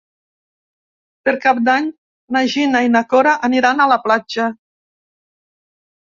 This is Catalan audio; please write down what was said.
Per Cap d'Any na Gina i na Cora aniran a la platja.